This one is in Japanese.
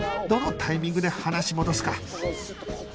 どのタイミングで話戻すか